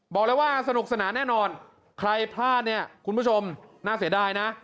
บอกเลยว่าสนุกสนานแน่นอนใครพลาดเนี่ยคุณผู้ชมน่าเสียดายนะ